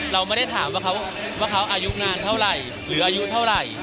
เราไม่ได้ถามว่าเขาอายุงานเท่าไหร่หรืออายุเท่าไหร่